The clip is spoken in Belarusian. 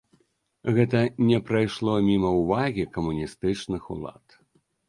Гэта не прайшло міма ўвагі камуністычных улад.